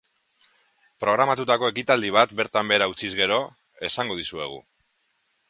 Programatutako ekitaldi bat bertan behera utziz gero, esango dizuegu.